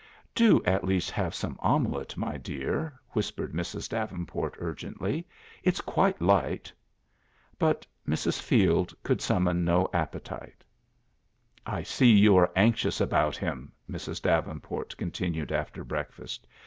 "Do at least have some omelet, my dear," whispered Mrs. Davenport urgently. "It's quite light." But Mrs. Field could summon no appetite. "I see you are anxious about him," Mrs. Davenport continued after breakfast.